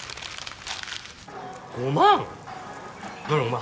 ５万？